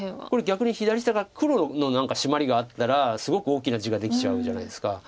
これ逆に左下が黒の何かシマリがあったらすごく大きな地ができちゃうじゃないですか。